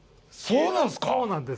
そうなんです。